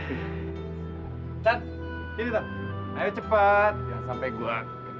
tuan sini tuan ayo cepat jangan sampai gua